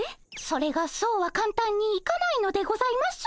それがそうはかんたんにいかないのでございます。